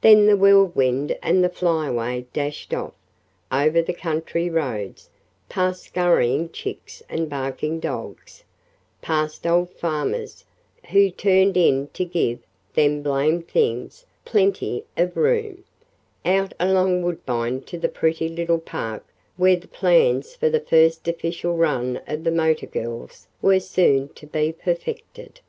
Then the Whirlwind and the Flyaway dashed off, over the country roads, past scurrying chicks and barking dogs, past old farmers who turned in to give "them blamed things" plenty of room, out along Woodbine to the pretty little park where the plans for the first official run of the motor girls were soon to be perfected.